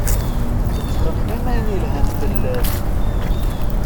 Tettxemmim ayen ilhan fell-as.